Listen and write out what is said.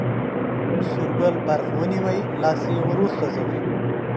سور ګل برق ونیوی، لاس یې وروسوځوی.